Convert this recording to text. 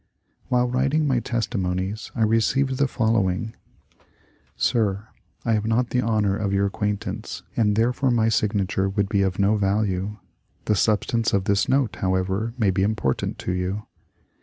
While writing my " Testimonies," I received the follow ing:— Sm, — I have not the honour of your acquaintance and there fore my signature would be of no value. The substance of this note, however, may be important to you.